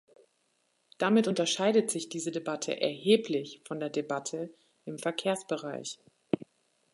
Damit unterscheidet sich diese Debatte erheblich von der Debatte im Verkehrsbereich.